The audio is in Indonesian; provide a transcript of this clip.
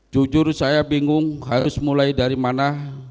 jujur saya bingung harus mulai dari mana